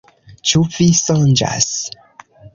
Ĉu vi sonĝas?